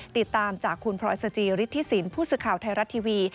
ติดตามจากคุณพรอยศจริษฐศิลป์ผู้ศึกข่าวไทยรัฐทีวี